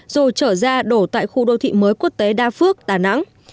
rồi trở ra đổ tại khu đô thị mới quốc tế đa phước đà nẵng